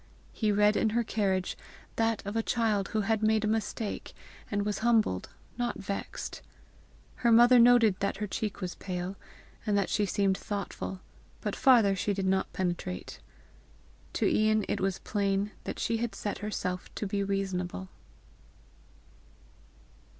He read in her carriage that of a child who had made a mistake, and was humbled, not vexed. Her mother noted that her cheek was pale, and that she seemed thoughtful; but farther she did not penetrate. To Ian it was plain that she had set herself to be reasonable.